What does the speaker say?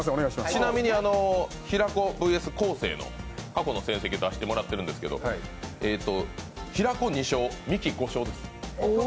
ちなみに平子ＶＳ昴生の過去の成績を出してもらっているんですけど、平子２勝、ミキ５勝です。